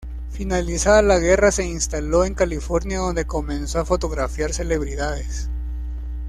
Finalizada la guerra se instaló en California donde comenzó a fotografiar celebridades.